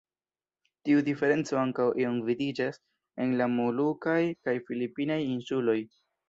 Tiu diferenco ankaŭ iom vidiĝas en la molukaj kaj filipinaj insuloj.